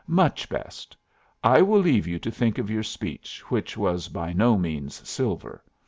Much best. I will leave you to think of your speech, which was by no means silver.